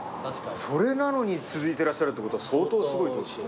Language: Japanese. それなのに続いてらっしゃるってことは相当すごいってことですよ。